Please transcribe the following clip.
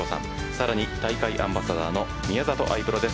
さらに大会アンバサダーの宮里藍プロです。